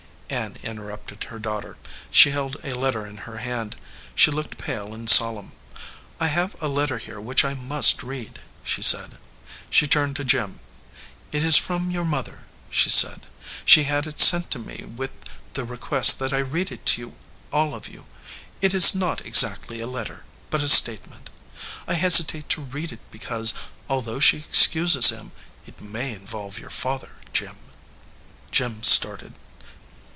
Ann interrupted her daughter. She held a let ter in her hand. She looked pale and solemn. "I have a letter here which I must read," she said. She turned to Jim. "It is from your mother," she said. "She had it sent to me with the request that I read it to all of you. It is not exactly a letter, but a statement. I hesitate to read it because, al though she excuses him, it may involve your father, Jim." Jim started.